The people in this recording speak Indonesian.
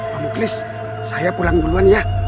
pak muklis saya pulang duluan ya